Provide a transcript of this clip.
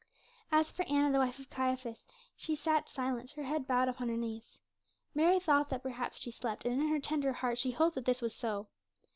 As for Anna, the wife of Caiaphas, she sat silent, her head bowed upon her knees. Mary thought that perhaps she slept, and in her tender heart she hoped that this was so.